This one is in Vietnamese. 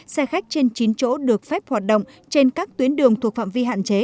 xe khách trên chín chỗ được phép hoạt động trên các tuyến đường thuộc phạm vi hạn chế